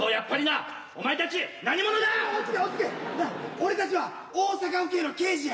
俺たちは大阪府警の刑事や。